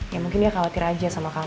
ya mungkin dia khawatir aja sama kamu